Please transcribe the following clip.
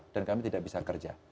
dan kami tidak bisa kerja